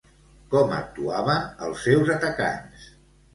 Com actuaven els seus atacants?